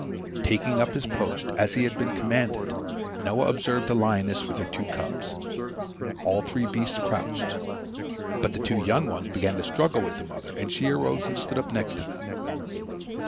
Taking up his post as he had been commanded, Noah observed a lioness with her two cubs. All three beasts crouched. But the two young ones began to struggle with the mother, and she arose and stood up next to them.